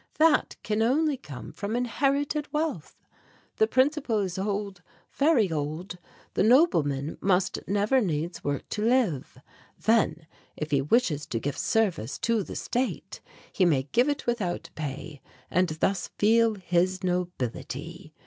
That can only come from inherited wealth: the principle is old, very old. The nobleman must never needs work to live. Then, if he wishes to give service to the state, he may give it without pay, and thus feel his nobility.